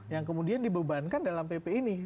yang kemudian dibebankan dalam pp ini